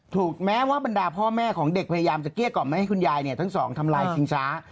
แม้ว่าบรรดาพ่อแม่ของเด็กพยายามจะเกลี้ยกล่อมไม่ให้คุณยายเนี่ยทั้งสองทำลายชิงช้า